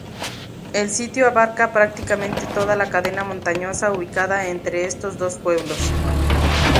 El sitio abarca prácticamente toda la cadena montañosa ubicada entre estos dos pueblos.